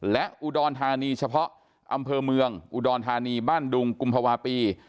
และอุดรธานีเฉพาะอำเภอเมืองอุดรธานีบ้านดุงกุมภาวะปี